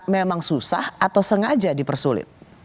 memang susah atau sengaja dipersulit